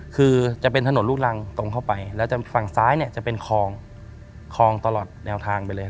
คือจะเป็นถนนลูกรังตรงเข้าไปแล้วฝั่งซ้ายเนี่ยจะเป็นคลองคลองตลอดแนวทางไปเลย